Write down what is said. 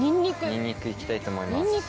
ニンニクいきたいと思います。